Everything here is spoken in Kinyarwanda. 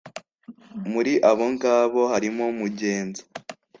muri abongabo harimo mugenza